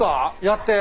やって。